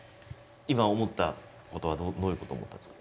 今思ったことはどういうことを思ったんですか？